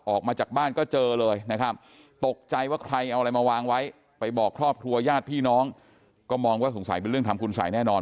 ออกมาจากบ้านก็เจอเลยนะครับตกใจว่าใครเอาอะไรมาวางไว้ไปบอกครอบครัวญาติพี่น้องก็มองว่าสงสัยเป็นเรื่องทำคุณสัยแน่นอน